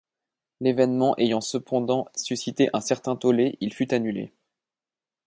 L'événement ayant cependant suscité un certain tollé, il fut annulé.